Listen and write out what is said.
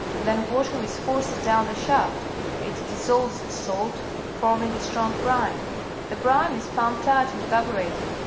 Then water is forced down the shaft. It dissolves the salt, forming a strong brine. The brine is pumped out and evaporated.